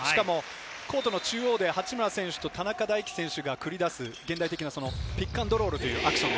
コートの中央で八村選手と田中大貴選手が現代的なピックアンドロールとアクション。